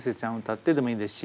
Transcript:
歌ってでもいいですし。